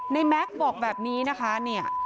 แม็กซ์บอกแบบนี้นะคะเนี่ย